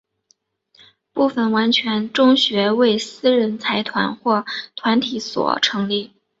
部分完全中学为私人财团或团体所成立。